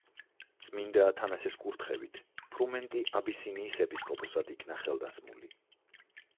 წმინდა ათანასეს კურთხევით ფრუმენტი აბისინიის ეპისკოპოსად იქნა ხელდასხმული.